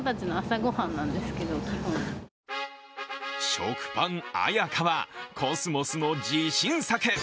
食パン彩香はコスモスの自信作。